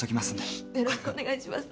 よろしくお願いします。